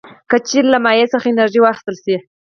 که چیرې له مایع څخه انرژي واخیستل شي.